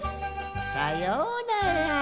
さようなら。